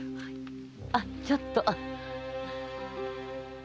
あちょっと。